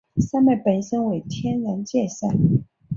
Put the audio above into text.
山脉本身为天然界山。